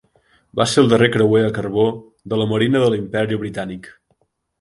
Va ser el darrer creuer a carbó de la marina de l'Imperi Britànic.